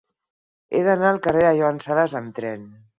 He d'anar al carrer de Joan Sales amb tren.